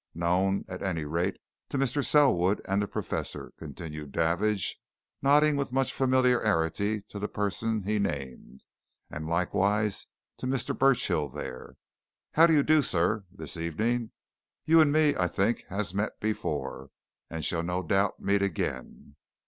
Known, at any rate, to Mr. Selwood and the Professor," continued Davidge, nodding with much familiarity to the person he named. "And likewise to Mr. Burchill there. How do you do, sir, this evening? You and me, I think, has met before, and shall no doubt meet again.